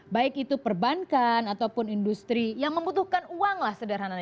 baik itu perbankan ataupun industri yang membutuhkan uang lah sederhananya